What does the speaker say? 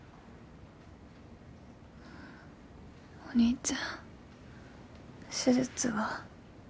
お兄ちゃん手術は？